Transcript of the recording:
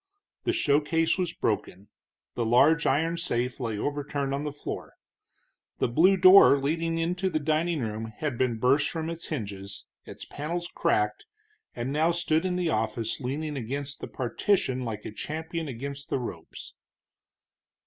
The showcase was broken, the large iron safe lay overturned on the floor. The blue door leading into the dining room had been burst from its hinges, its panels cracked, and now stood in the office leaning against the partition like a champion against the ropes.